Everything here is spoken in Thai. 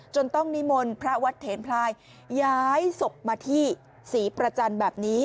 ต้องนิมนต์พระวัดเถนพลายย้ายศพมาที่ศรีประจันทร์แบบนี้